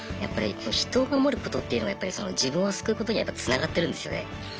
人を守ることっていうのは自分を救うことにやっぱつながってるんですよね。